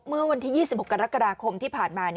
เมื่อวันที่๒๖กรกฎาคมที่ผ่านมา